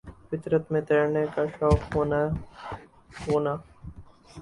فطر ت میں تیرنا کا شوق ہونا ہونا